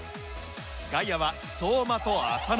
外野は相馬と浅野。